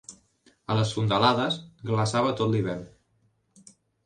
A les fondalades, glaçava tot l'hivern.